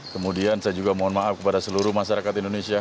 kemudian saya juga mohon maaf kepada seluruh masyarakat indonesia